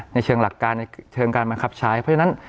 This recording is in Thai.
ในเชิงหลักการในเชิงการบังคับใช้เพราะฉะนั้น